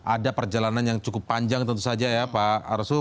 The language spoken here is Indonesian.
ada perjalanan yang cukup panjang tentu saja ya pak arsul